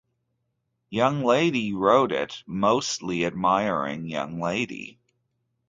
Young lady wrote it — most admiring young lady.